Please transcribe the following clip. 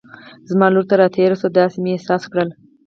زما لور ته را تېر شو، داسې مې احساس کړل.